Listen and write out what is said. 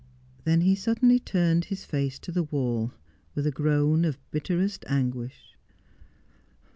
Then he suddenly turned his face to the wall, with a groan of bitterest anguish.